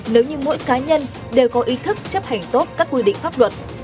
nếu như mỗi cá nhân đều có ý thức chấp hành tốt các quy định pháp luật